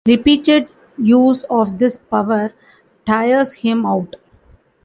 Repeated use of this power tires him out.